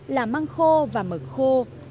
là măng khô và mực khô